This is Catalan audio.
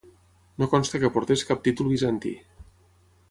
No consta que portés cap títol bizantí.